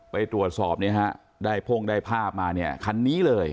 ไปตรวจสอบได้พงได้ภาพมาคันนี้เลย